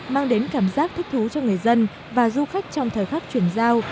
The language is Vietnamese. mang đến cảm giác thích thú cho người dân và du khách trong thời khắc chuyển giao